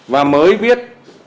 và mới biết